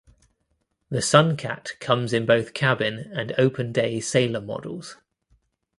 The Sun Cat comes in both cabin and open day sailer models.